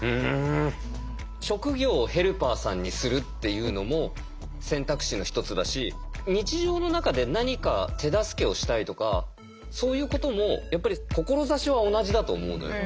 職業をヘルパーさんにするっていうのも選択肢の１つだし日常の中で何か手助けをしたいとかそういうこともやっぱり志は同じだと思うのよ。